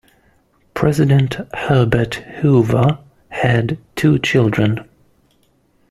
President Herbert Hoover had two children.